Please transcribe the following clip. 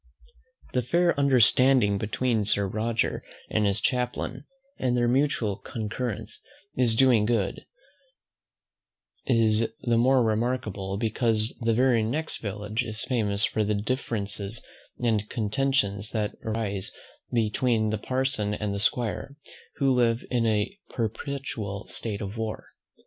The fair understanding between Sir Roger and his chaplain, and their mutual concurrence in doing good, is the more remarkable, because the very next village is famous for the differences and contentions that rise between the parson and the 'squire, who live in a perpetual state of war.